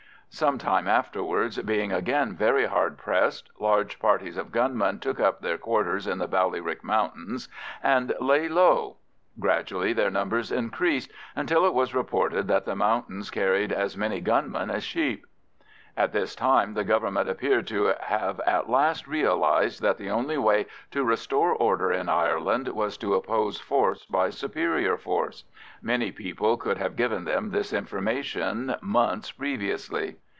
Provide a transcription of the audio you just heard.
Some time afterwards, being again very hard pressed, large parties of gunmen took up their quarters in the Ballyrick Mountains, and lay low. Gradually their numbers increased, until it was reported that the mountains carried as many gunmen as sheep. At this time the Government appeared to have at last realised that the only way to restore order in Ireland was to oppose force by superior force. Many people could have given them this information months previously.